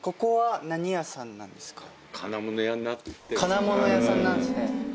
金物屋さんなんですね。